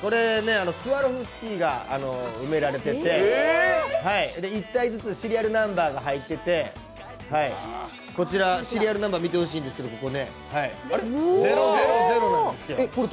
スワロフスキーが埋められてて１体ずつシリアルナンバーが入ってて、シリアルナンバー見てほしいんですけど０００なんですよ。